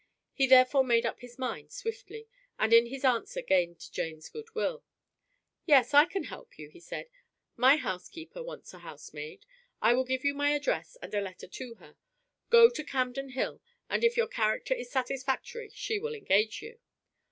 He therefore made up his mind swiftly, and in his answer gained Jane's goodwill. "Yes, I can help you," he said; "my housekeeper wants a housemaid. I will give you my address and a letter to her. Go to Camden Hill and if your character is satisfactory she will engage you."